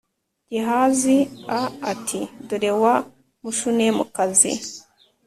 Gehazi a ati dore wa Mushunemukazi